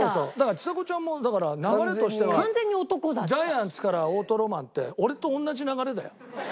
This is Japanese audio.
ちさ子ちゃんもだから流れとしてはジャイアンツからオートロマンって俺と同じ流れだよ。